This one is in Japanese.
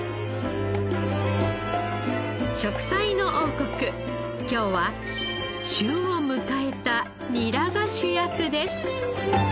『食彩の王国』今日は旬を迎えたニラが主役です。